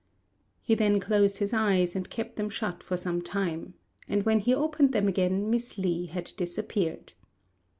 He then closed his eyes and kept them shut for some time; and when he opened them again Miss Li had disappeared.